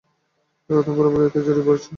এবার তুমি পুরোপুরি এতে জড়িয়ে পড়েছ!